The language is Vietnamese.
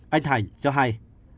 anh thành cho hay